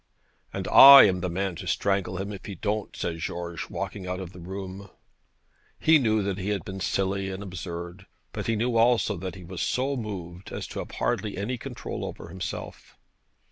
'And I am the man to strangle him if he don't,' said George, walking out of the room. He knew that he had been silly and absurd, but he knew also that he was so moved as to have hardly any control over himself.